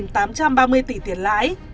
hai trăm bảy mươi bảy tám trăm ba mươi tỷ tiền lái